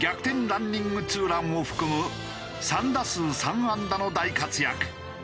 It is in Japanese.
ランニングツーランを含む３打数３安打の大活躍。